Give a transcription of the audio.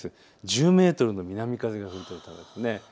１０メートルの南風が吹いているんです。